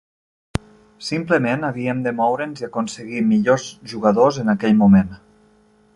Simplement havíem de moure'ns i aconseguir millors jugadors en aquell moment.